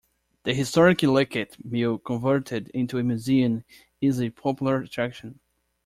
The historic Lidtke Mill converted into a museum is a popular attraction.